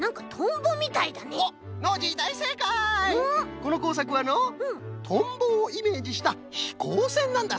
このこうさくはのとんぼをイメージしたひこうせんなんだそうじゃよ。